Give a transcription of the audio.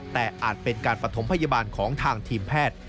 แต่อาจเป็นการปฐมพยาบาลของทางทีมแพทย์